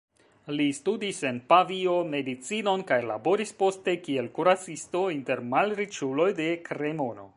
Li studis en Pavio medicinon kaj laboris poste kiel kuracisto inter malriĉuloj de Kremono.